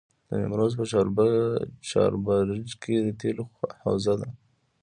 د نیمروز په چاربرجک کې د تیلو حوزه ده.